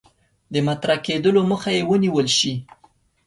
د مطرح کېدلو مخه یې ونیول شي.